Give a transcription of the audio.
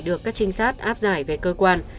được các trinh sát áp giải về cơ quan